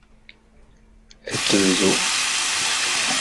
Ad tebdu.